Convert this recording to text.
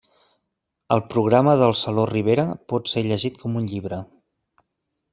El programa del saló Ribera pot ser llegit com un llibre.